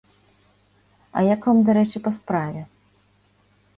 А я к вам дарэчы па справе.